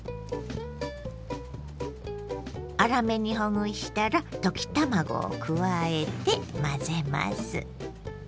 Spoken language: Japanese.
粗めにほぐしたら溶き卵を加えて混ぜます。